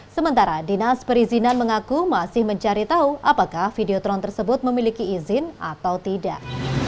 sementara dinas perizinan mengaku masih mencari tahu apakah videotron tersebut memiliki izin atau tidak